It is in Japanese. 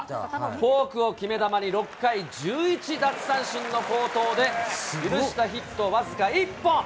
フォークを決め球に、６回１１奪三振の好投で、許したヒット僅か１本。